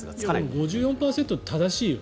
でも、５４％って正しいよ